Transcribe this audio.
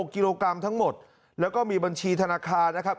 กิโลกรัมทั้งหมดแล้วก็มีบัญชีธนาคารนะครับ